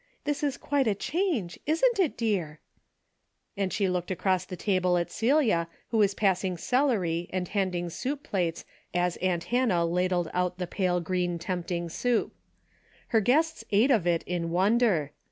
This is quite a change, isn't it, dear ?" and she looked across the table at Celia who was passing celery and handing soup plates as aunt Hannah la dled out the pale green tempting soup. Her guests ate of it in wonder.